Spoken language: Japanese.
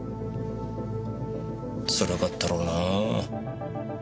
辛かったろうな。